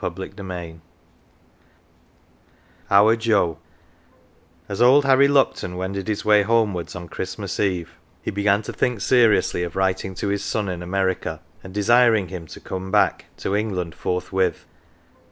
229 "OUR JOE" "OUR JOE 11 As old Harry Lupton wended his way homewards on Christmas Eve he began to think seriously of writing to his son in America, and desiring him to come back to England forthwith.